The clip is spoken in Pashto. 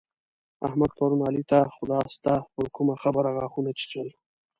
احمد پرون علي ته خداسته پر کومه خبره غاښونه چيچل.